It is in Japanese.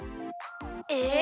えっ？